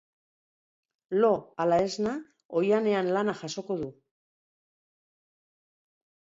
Lo ala esna oihanean lana jasoko du.